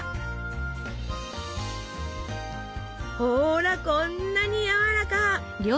ほらこんなにやわらか！